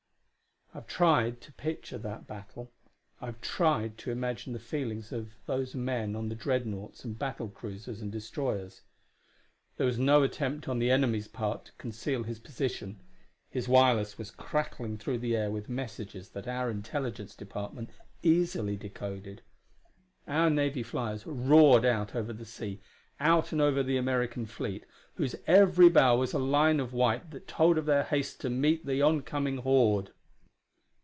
I've tried to picture that battle; I've tried to imagine the feelings of those men on the dreadnaughts and battle cruisers and destroyers. There was no attempt on the enemy's part to conceal his position; his wireless was crackling through the air with messages that our intelligence department easily decoded. Our Navy fliers roared out over the sea, out and over the American fleet, whose every bow was a line of white that told of their haste to meet the oncoming horde.